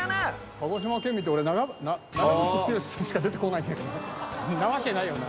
鹿児島県民って俺長渕剛さんしか出て来ないけどんなわけないよな。